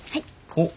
おっ。